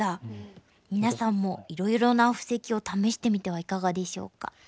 皆さんもいろいろな布石を試してみてはいかがでしょうか？